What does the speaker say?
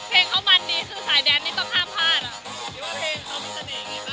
เพลงเค้ามันดีคือสายแดนต้องท่ามพลาด